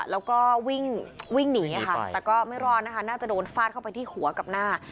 แล้วก็วิ่งวิ่งหนีค่ะแต่ก็ไม่รอดนะคะน่าจะโดนฟาดเข้าไปที่หัวกับหน้า